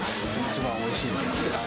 一番おいしいので。